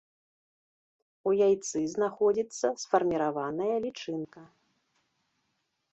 У яйцы знаходзіцца сфарміраваная лічынка.